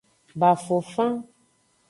Bafofan.